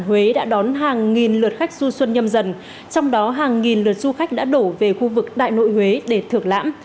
huế đã đón hàng nghìn lượt khách du xuân nhâm dần trong đó hàng nghìn lượt du khách đã đổ về khu vực đại nội huế để thưởng lãm